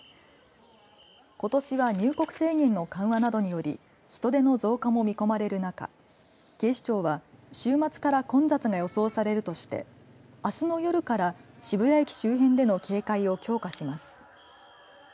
ことしは入国制限の緩和などにより人手の増加も見込まれる中警視庁は週末から混雑が予想されるとしてあすの夜から渋谷駅周辺での警戒を強化します。